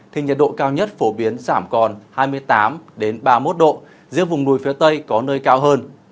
thì nhiệt độ cao nhất phổ biến giảm còn hai mươi tám ba mươi một độ giữa vùng núi phía tây có nơi cao hơn